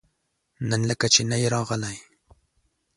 نن لکه چې نه يې راغلی؟